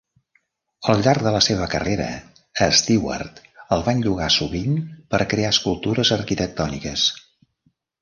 Al llarg de la seva carrera, a Stewart el van llogar sovint per crear escultures arquitectòniques.